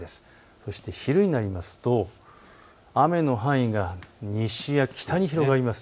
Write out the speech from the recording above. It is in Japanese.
そして昼になると雨の範囲が西や北に広がります。